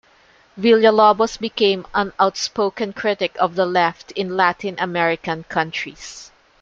Villalobos became an outspoken critic of the left in Latin American countries.